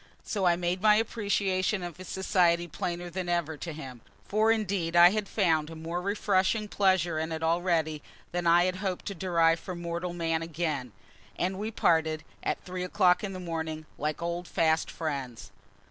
So I made my appreciation of his society plainer than ever to him; for indeed I had found a more refreshing pleasure in it already than I had hoped to derive from mortal man again; and we parted, at three o'clock in the morning, like old fast friends.